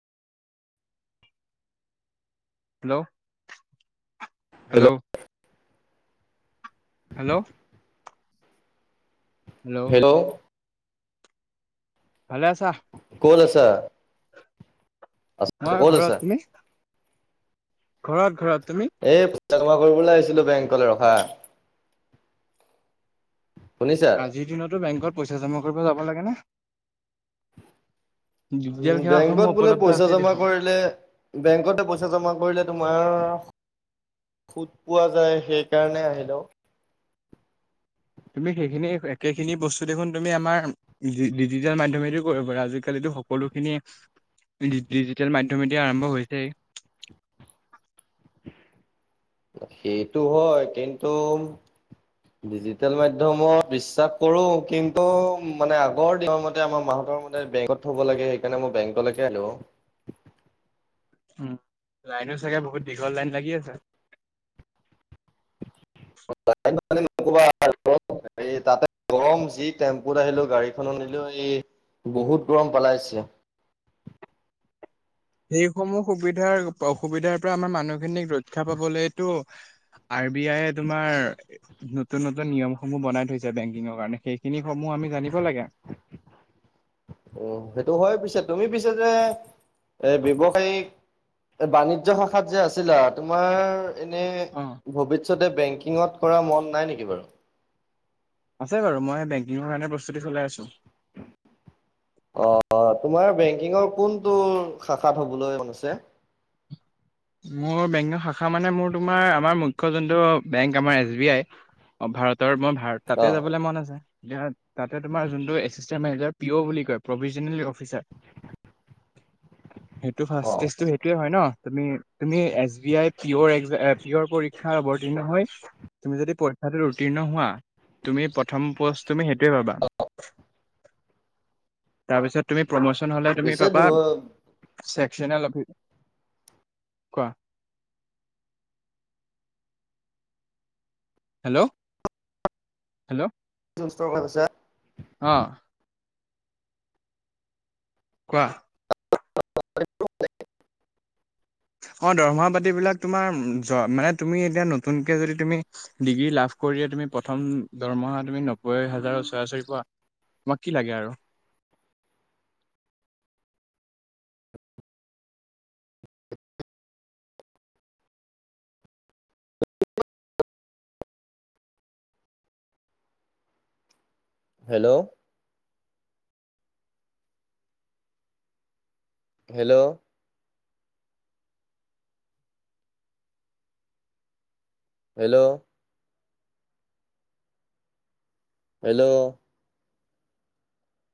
Hello hello hello. Hello. ভালে আছা? ক'ত আছা? আছোঁ, মই ক'ত ঘৰত আছা? তুমি ঘৰত, ঘৰত, তুমি? এই পইচা জমা কৰিবলৈ আহিছিলোঁ, বেংকলৈ ৰখা। শুনিছা? আজিৰ দিনতো, বেংকত পইচা জমা কৰিব যাব লাগে নে? ডিজিটেল সেৱাসমূহ বেংকত বোলে উপলব্ধ পইচা আছে জমা দেখোন কৰিলে, বেংকতে পইচা জমা কৰিলে, তোমাৰ সুদ পোৱা যায়, সেইকাৰণে আহিলোঁ। তুমি সেইখিনি, একেখিনি বস্তু দেখোন, তুমি আমাৰ ডিজি ডিজিটেল মাধ্যমেদি কৰিব পাৰা, আজিকালিটো সকলোখিনিয়ে ডিজি ডিজিটেল মাধ্যমেদি আৰম্ভ হৈছেই। সেইটো হয়, কিন্তু ডিজিটেল মাধ্যমত বিশ্বাস কৰোঁ, কিন্তু মানে, আগৰ দিনৰ মতে, আমাৰ মাঁহতৰ ম তে, বেংকত থ'ব লাগে, সেইকাৰণে, মই বেংকলৈকে আনো আৰু। উম, লাইনো চাগে, বহুত দীঘল লাইন লাগি আছে। [unintelligible] এই তাতে গৰম যি, টেম্পুত আহিলোঁ, গাড়ীখনো নিলো, এই বহুত গৰম পেলাইছে। এইসমূহ সুবিধাৰ, অসুবিধাৰ পৰা আমাৰ, মানুহখিনিক ৰক্ষা পাবলৈয়েটো আৰ বি আইয়ে তোমাৰ নতুন, নতুন নিয়মসমূহ বনাই থৈছে বেংকিঙৰ কাৰণে, সেইখিনি সমূহ আমি জানিব লাগে। উম, সেইটো হয় পিছে, তুমি পিছে যে, এ ব্যৱসায়িক বাণিজ্য শাখাত যে আছিলা, তোমাৰ এনে অ'। ভৱিষ্যতে, বেংকিঙত কৰা মন নাই নেকি বাৰু? আছে বাৰু, মই বেংকিঙৰ কাৰণে, প্ৰস্তুতি চলাই আছোঁ। অ', অ', তোমাৰ বেংকিঙৰ, কোনটো শাখাত হ'বলৈ মন আছে? মোৰ, বেংকিঙৰ শাখা মানে, মোৰ তোমাৰ, আমাৰ মুখ্য যোনটো বেংক, আমাৰ এছ বি আই। ভাৰতৰ মই, ভাৰত অ তাতে যাবলৈ মন আছে। ইয়াত তাতে তোমাৰ যোনটো, এচিষ্টেণ্ট মেনেজাৰ পি অ' বুলি কয়, প্ৰভিজনেলী অফিচাৰ। সেইটো অ ফাৰ্ষ্ট ষ্টেজটো সেইটোয়ে হয় ন। তুমি তুমি এছ বি আই, পিয়ৰ এক্স এ পিয়ৰ পৰীক্ষা অৱতীৰ্ণ হৈ তুমি যদি পৰীক্ষাটোত উত্তীৰ্ণ হোৱা, তুমি প্ৰথম পোষ্ট তুমি সেইটোৱে পাবা। তাৰপিছত তুমি, প্ৰমোচন হ'লে তুমি পিছে পাবা চেকশ্যনাল অফি কোৱা। Hello, hello. [unintelligible] অ'। কোৱা। [unintelligible] অ', দৰমহা পাতি বিলাক তোমাৰ, চোৱা মানে তুমি এতিয়া, নতুনকে যদি তুমি ডিগ্ৰী লাভ কৰিয়ে তুমি, প্ৰথম দৰমহা তুমি, নব্বৈ হাজাৰৰ ওচৰা-ওচৰি পোৱা। তোমাক কি লাগে আৰু। হেল্ল'। হেল্ল'। হেল্ল'। হেল্ল'।